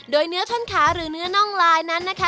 โดยเนื้อท่อนขาหรือเนื้อน่องลายนั้นนะคะ